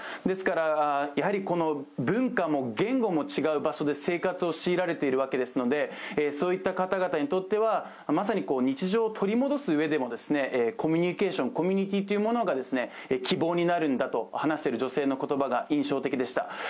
ですから文化も言語も違う場所で生活を強いられているわけですので、そういった方々にとっては、まさに日常を取り戻すうえでもコミュニケーションコミュニティーというものが希望になるんだと話している女性の言葉が印象的でした。